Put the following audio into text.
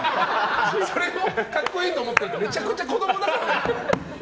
それも格好いいと思ってるってめちゃくちゃ子供だからな。